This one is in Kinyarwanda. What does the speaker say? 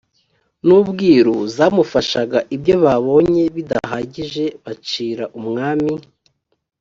n ubwiru zamufashaga ibyo babonye bidahagije bacira umwami